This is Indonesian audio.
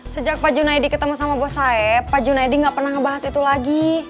sejak pak junaidy ketemu sama bos saeb pak junaidy gak pernah ngebahas itu lagi